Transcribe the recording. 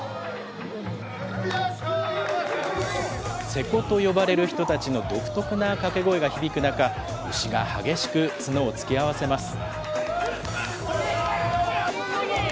勢子と呼ばれる人たちの独特なかけ声が響く中、牛が激しく角を突き合せます。